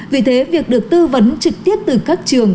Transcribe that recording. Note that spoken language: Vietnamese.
vì thế việc được tư vấn trực tiếp từ các trường